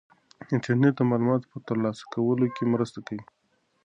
انټرنيټ د معلوماتو په ترلاسه کولو کې مرسته کوي.